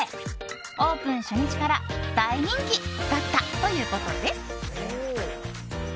オープン初日から大人気だったということで。